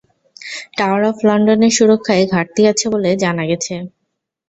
Tower of লন্ডনের সুরক্ষায় ঘাটতি আছে বলে জানা গেছে।